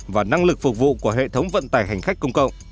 và năng lực phục vụ của hệ thống vận tải hành khách công cộng